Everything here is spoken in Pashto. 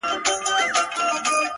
چي شال يې لوند سي د شړۍ مهتاجه سينه ـ